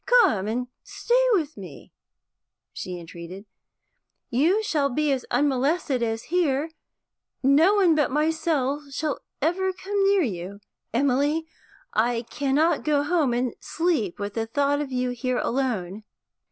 'Come and stay with me,' she entreated. 'You shall be as unmolested as here; no one but myself shall ever come near you. Emily, I cannot go home and sleep with the thought of you here alone.'